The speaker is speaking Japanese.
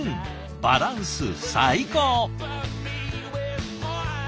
バランス最高！